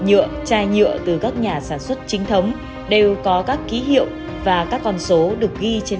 nhựa chai nhựa từ các nhà sản xuất chính thống đều có các ký hiệu và các con số được ghi trên